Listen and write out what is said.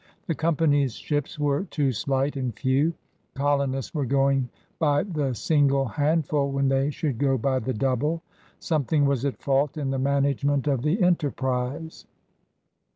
The company's ships were too slight and few; colonists were going by the single hand ful when they should go by the double. Some thing was at fault in the management of the enter prise.